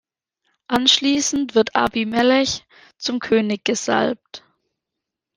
Anschließend wird Abimelech zum König gesalbt.